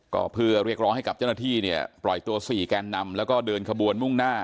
ก็เพื่อเรียกร้องให้กับเจ้าหน้าที่เนี่ยปล่อยตัว๔แกนนำแล้วก็เดินขบวนมุ่งหน้า